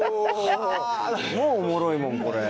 もうおもろいもんこれ。